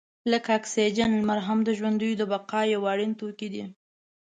لکه اکسیجن، لمر هم د ژوندیو د بقا یو اړین توکی دی.